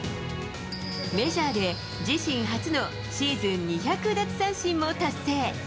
メジャーで自身初のシーズン２００奪三振も達成。